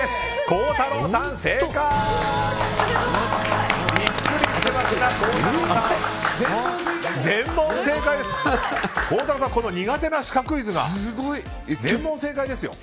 孝太郎さんは苦手なシカクイズが全問正解ですよ。